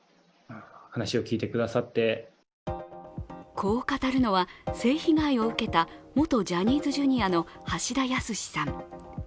こう語るのは、性被害を受けた元ジャニーズＪｒ．の橋田康さん。